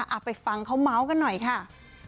เอาไปฟังเขาเมาส์กันหน่อยค่ะ